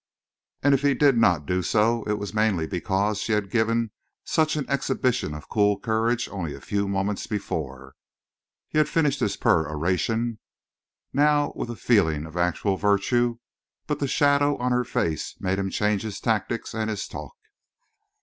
And if he did not do so, it was mainly because she had given such an exhibition of cool courage only a few moments before. He had finished his peroration, now, with a feeling of actual virtue, but the shadow on her face made him change his tactics and his talk.